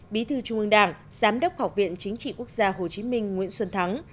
bí thư trung ương đảng giám đốc học viện chính trị quốc gia hồ chí minh nguyễn xuân thắng